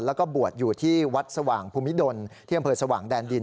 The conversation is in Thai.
แล้วก็บวชอยู่ที่วัดสว่างภูมิดลที่อำเภอสว่างแดนดิน